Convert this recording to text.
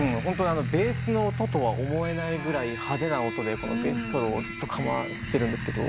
ベースの音とは思えないぐらい派手な音でベースソロをずっとかましてるんです。